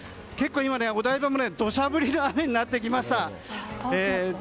今、お台場も土砂降りの雨になってきました。